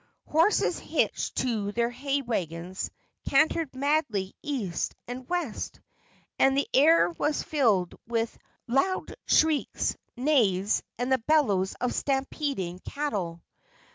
Horses hitched to their hay wagons cantered madly east and west, and the air was filled with loud shrieks, neighs and the bellows of stampeding cattle.